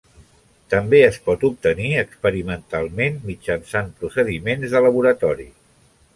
També es pot obtenir experimentalment mitjançant procediments de laboratori.